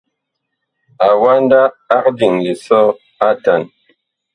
Awanda ag diŋ lisɔ atan.